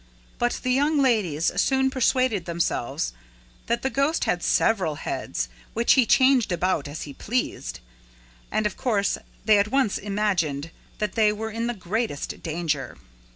But the young ladies soon persuaded themselves that the ghost had several heads, which he changed about as he pleased. And, of course, they at once imagined that they were in the greatest danger.